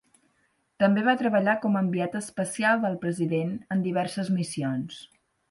També va treballar com a enviat especial del president en diverses missions.